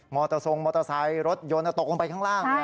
มอเตอร์ทรงมอเตอร์ไซต์รถยนต์จะตกลงไปข้างล่าง